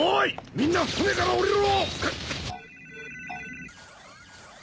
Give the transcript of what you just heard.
みんな船から降りろ！